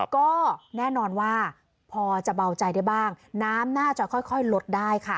ก็แน่นอนว่าพอจะเบาใจได้บ้างน้ำน่าจะค่อยลดได้ค่ะ